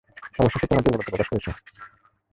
অবশেষে তোমার দূর্বলতা প্রকাশ করেছ।